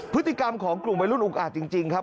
พฤติกรรมของกลุ่มวัยรุ่นอุกอาจจริงครับ